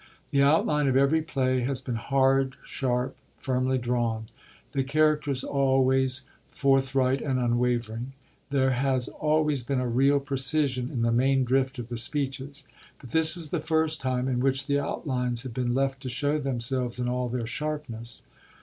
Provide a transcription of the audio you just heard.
The outline of every play has been hard, sharp, firmly drawn; the characters always forthright and unwavering; there has always been a real precision in the main drift of the speeches; but this is the first time in which the outlines have been left to show themselves in all their sharpness.